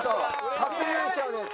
初優勝です。